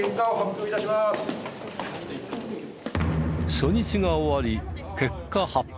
初日が終わり結果発表。